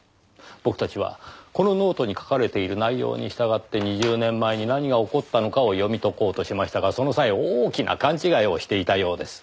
僕たちはこのノートに書かれている内容に従って２０年前に何が起こったのかを読み解こうとしましたがその際大きな勘違いをしていたようです。